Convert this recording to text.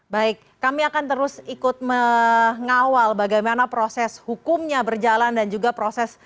baik kami akan terus ikut mengawal bagaimana proses hukumnya berjalan dan juga proses